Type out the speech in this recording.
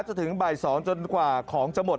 จนถึงบ่าย๒จนกว่าของจะหมด